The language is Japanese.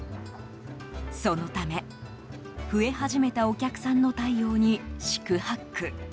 そのため、増え始めたお客さんの対応に四苦八苦。